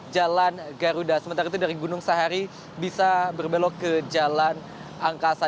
jalan garuda sementara itu dari gunung sahari bisa berbelok ke jalan angkasa